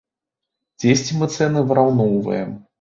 Дзесьці мы цэны выраўноўваем.